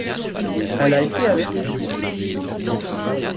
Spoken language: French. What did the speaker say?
Elle a été avertie.